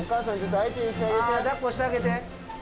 抱っこしてあげて。